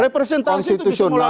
representasi itu bisa melalui partai